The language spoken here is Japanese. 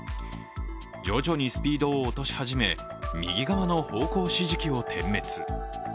徐々にスピードを落とし始め、右側の方向指示器を点滅。